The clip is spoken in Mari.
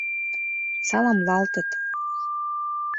Саламлалтыт.